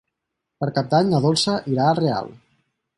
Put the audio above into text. Per Cap d'Any na Dolça irà a Real.